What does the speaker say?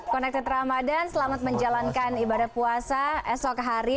koneksi ramadhan selamat menjalankan ibadah puasa esok hari